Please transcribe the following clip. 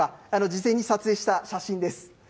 事前に撮影した写真です。